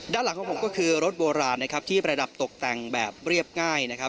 ด้านหลังของผมก็คือรถโบราณที่ประดับตกแต่งแบบเรียบง่าย